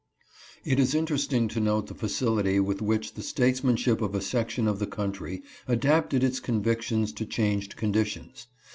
It is interesting to note the facility with which the statesmanship of a section of the country adapted its con victions to changed conditions.